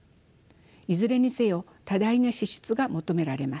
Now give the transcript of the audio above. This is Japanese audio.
いずれにせよ多大な支出が求められます。